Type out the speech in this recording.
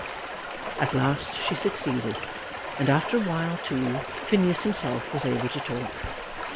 At last she succeeded; and after a while, too, Phineas himself was able to talk.